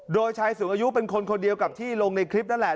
โดยชายสูงอายุเป็นคนคนเดียวกับที่ลงในคลิปนั่นแหละ